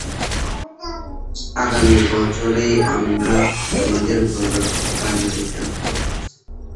আগামী বছরেই আমরা তোমাদেরকে বদর প্রান্তরে ডাকব।